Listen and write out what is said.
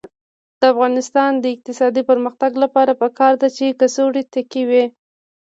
د افغانستان د اقتصادي پرمختګ لپاره پکار ده چې کڅوړې تکې وي.